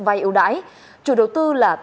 vai ưu đãi chủ đầu tư là